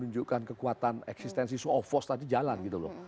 menunjukkan kekuatan eksistensi suofos tadi jalan gitu loh